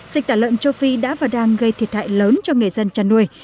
dịch tả lợn châu phi đã và đang gây thiệt hại lớn cho người dân chăn nuôi